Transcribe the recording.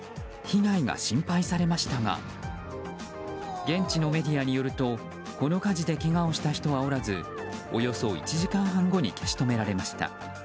被害が心配されましたが現地のメディアによるとこの火事でけがをした人はおらずおよそ１時間半後に消し止められました。